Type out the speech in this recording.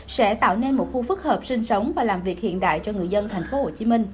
sẽ tạo nên một khu phức hợp sinh sống và làm việc hiện đại cho người dân tp hcm